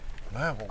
ここ。